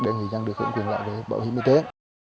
để người dân được hưởng quyền lợi về bảo hiểm y tế